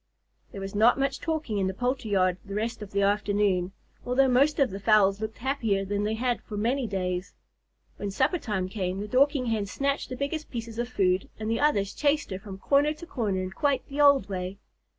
There was not much talking in the poultry yard the rest of the afternoon, although most of the fowls looked happier than they had for many days. When supper time came, the Dorking Hen snatched the biggest pieces of food, and the others chased her from corner to corner in quite the old way.